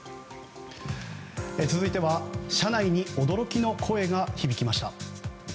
続いては車内に驚きの声が響きました。